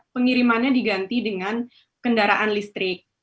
pengirimannya diganti dengan kendaraan listrik